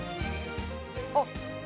あっ。